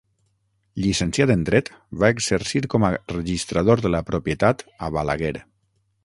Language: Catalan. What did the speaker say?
Llicenciat en dret, va exercir com a registrador de la propietat a Balaguer.